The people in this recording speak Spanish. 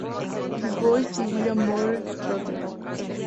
Du Bois y William Monroe Trotter.